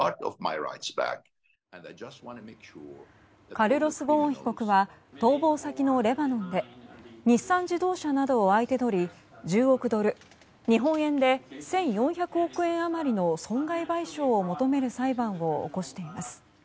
カルロス・ゴーン被告は逃亡先のレバノンで日産自動車などを相手取り１０億ドル日本円で１４００億円余りの損害賠償を求める裁判を起こしています。